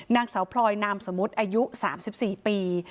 นางสาวพลอยนามสมมุติอายุ๓๔ปี